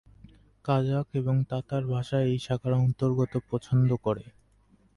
Kazakh এবং Tatar ভাষা এই শাখার অন্তর্গত পছন্দ করে।